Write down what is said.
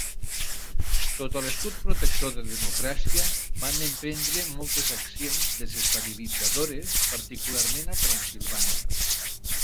Sota l'escut protector de democràcia, van emprendre moltes accions desestabilitzadores, particularment a Transsilvània.